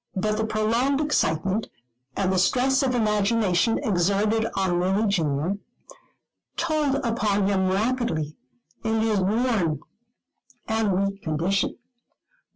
But the prolonged excitement, and the stress of imagination exerted on Lily junior, told upon him rapidly in his worn and weak condition.